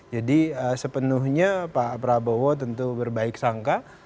jadi sepenuhnya pak prabowo tentu berbaik sangka